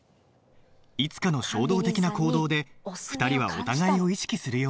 いつかの衝動的な行動で２人はお互いを意識するように